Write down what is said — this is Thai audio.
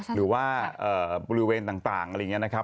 หรือว่าบริเวณต่างอะไรอย่างนี้นะครับ